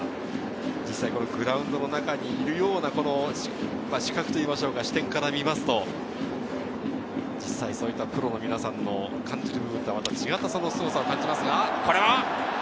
グラウンドの中にいるような視点から見ますと、実際そういったプロの皆さんの感じる部分とは違ったすごさを感じます。